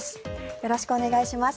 よろしくお願いします。